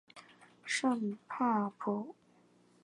圣帕普。